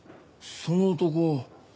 その男